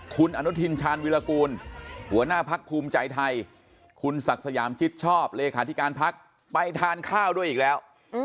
คุณอนุทินชาญวิรากูลหัวหน้าพักภูมิใจไทยคุณศักดิ์สยามชิดชอบเลขาธิการพักไปทานข้าวด้วยอีกแล้ว